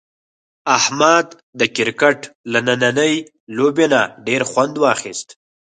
احمد د کرکټ له نننۍ لوبې نه ډېر خوند واخیست.